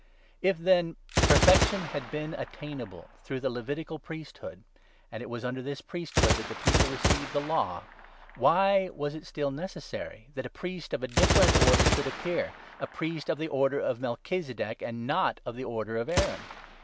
If, then, Perfection had been attainable through the n Levitical priesthood — and it was under this priesthood that the people received the Law — why was it still necessary that a priest of a different order should appear, a priest of the order of Melchizedek and not of the order of Aaron